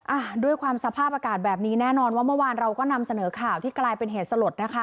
อ่ะด้วยความสภาพอากาศแบบนี้แน่นอนว่าเมื่อวานเราก็นำเสนอข่าวที่กลายเป็นเหตุสลดนะคะ